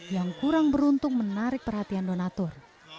yang kurang beruntung menarik perhatian donatur